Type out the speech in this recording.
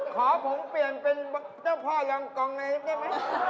ขอผมเปลี่ยนเป็นเจ้าพ่อรองกองเลยได้ไหม